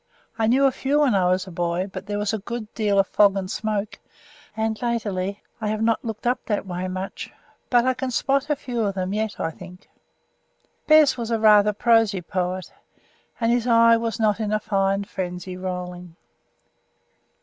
"I knew a few when I was a boy, but there was a good deal of fog and smoke, and latterly I have not looked up that way much; but I can spot a few of them yet, I think." Bez was a rather prosy poet, and his eye was not in a fine frenzy rolling.